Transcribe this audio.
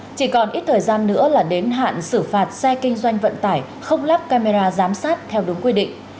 thưa quý vị và các bạn chỉ còn ít thời gian nữa là đến hạn xử phạt xe kinh doanh vận tải không lắp camera giám sát theo đúng quy định